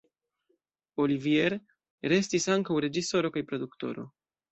Olivier estis ankaŭ reĝisoro kaj produktoro.